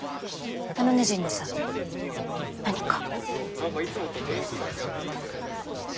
「何かいつもと雰囲気が違っていいですよねでも」。